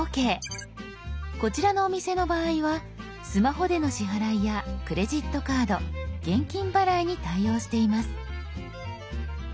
こちらのお店の場合はスマホでの支払いやクレジットカード現金払いに対応しています。